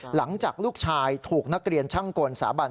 หลังจากลูกชายถูกนักเรียนช่างกลสาบัน